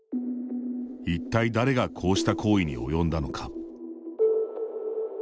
一体、誰がこうした行為に及んだのか。